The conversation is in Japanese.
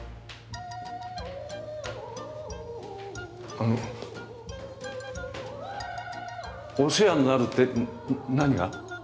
あのお世話になるって何が？